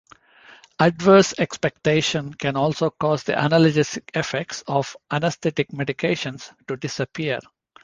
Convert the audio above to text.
Adverse expectations can also cause the analgesic effects of anesthetic medications to disappear.